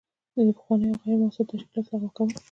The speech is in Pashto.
د پخوانیو او غیر مؤثرو تشکیلاتو لغوه کول.